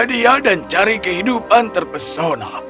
cari dia dan cari kehidupan terpesona